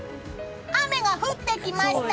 雨が降ってきました！